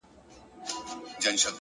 مثبت ذهن فرصتونه جذبوي؛